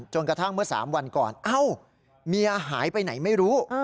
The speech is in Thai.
กระทั่งเมื่อ๓วันก่อนเอ้าเมียหายไปไหนไม่รู้